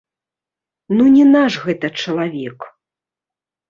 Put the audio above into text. Ну не наш гэта чалавек.